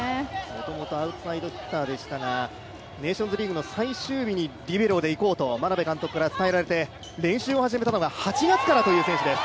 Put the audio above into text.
もともとアウトサイドヒッターでしたがネーションズリーグの最終日にリベロで行こうと眞鍋監督から伝えられて、練習を始めたのが８月からという選手です。